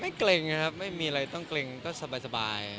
เกร็งนะครับไม่มีอะไรต้องเกร็งก็สบาย